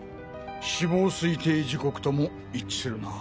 死亡推定時刻とも一致するな。